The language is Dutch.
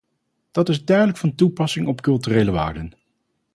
Dat is duidelijk van toepassing op culturele waarden.